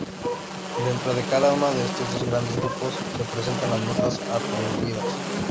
Dentro de cada uno de estos dos grandes grupos se presentan las "notas" atribuidas.